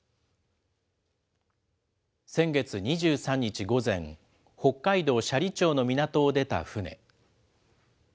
先月２３日午前、北海道斜里町の港を出た船。